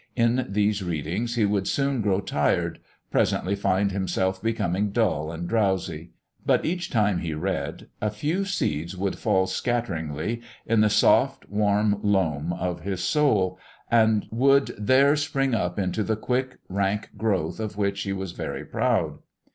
In these readings he would soon grow tired, presently find himself becoming dull and drowsy; but each time he read a few seeds would fall scatteringly in the soft, warm loam of his soul, and would there spring up into the quick, rank growth of which he was very proud.